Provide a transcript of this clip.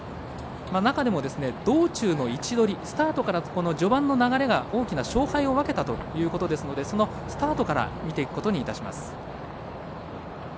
中でも道中の位置取りスタートから序盤の流れが大きな勝敗を分けたということですのでそのスタートから見ていくことにいたします。